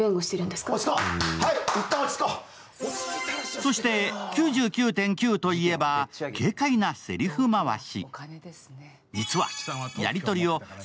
そして「９９．９」といえば軽快なせりふ回し。